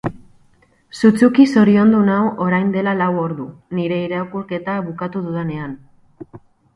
Sutsuki zoriondu nau orain dela lau ordu, nire irakurketa bukatu dudanean.